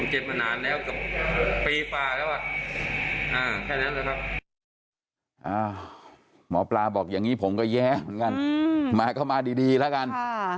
หมอปลาบอกอย่างนี้ผมก็แย้เหมือนกันมาก็มาดีแล้วกัน